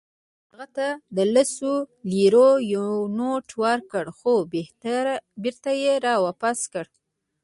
ما هغه ته د لسو لیرو یو نوټ ورکړ، خو بیرته يې راواپس کړ.